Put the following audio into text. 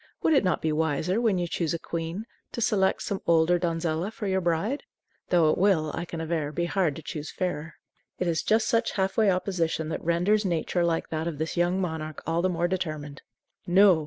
Would it not be wiser, when you choose a queen, to select some older donzella for your bride? Though it will, I can aver, be hard to choose fairer." It is just such half way opposition that renders nature like that of this young monarch all the more determined. No!